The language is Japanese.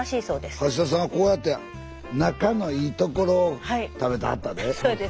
橋田さんはこうやって中のいいところを食べてはったで。